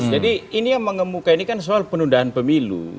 jadi ini yang mengemukai ini kan soal penundaan pemilu